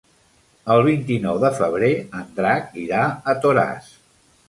El vint-i-nou de febrer en Drac irà a Toràs.